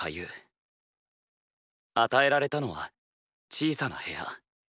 与えられたのは小さな部屋。